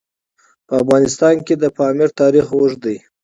په افغانستان کې د پامیر تاریخ اوږد دی.